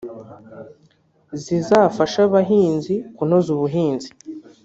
zizafashe abahinzi kunoza ubuhinzi